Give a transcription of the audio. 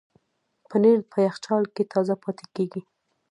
پنېر په یخچال کې تازه پاتې کېږي.